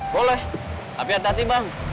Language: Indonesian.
boleh tapi hati hati bang